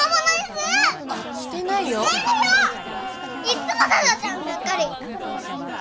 いっつもさとちゃんばっかり！